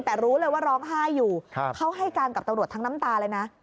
แต่รู้เลยว่าร้องไห้อยู่เขาให้การกับตำรวจทั้งน้ำตาเลยนะ